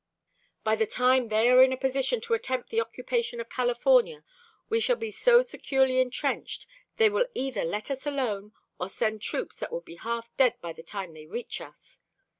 By the time they are in a position to attempt the occupation of California we shall be so securely entrenched they will either let us alone or send troops that would be half dead by the time they reach us.